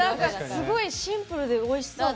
すごいシンプルでおいしそう。